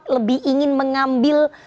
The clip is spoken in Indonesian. lebih ingin mengambil